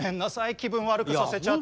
気分悪くさせちゃって。